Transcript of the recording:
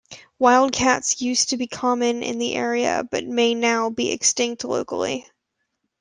Wildcats used to be common in the area but may now be extinct locally.